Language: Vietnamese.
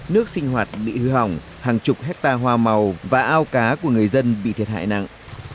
nước sinh hoạt bị hư hỏng hàng chục hectare hoa màu và ao cá của người dân bị thiệt hại nặng